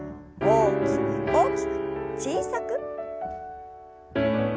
大きく大きく小さく。